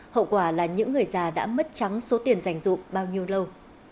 hậu quả là những người già đã mất trắng số tiền dành dụng bao nhiêu lâu